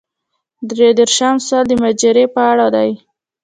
درې دېرشم سوال د مشاجرې په اړه دی.